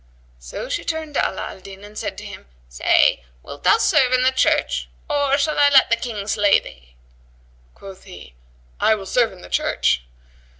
So she turned to Ala al Din and said to him, "Say, wilt thou serve in the church, or shall I let the King slay thee?" Quoth he, "I will serve in the church."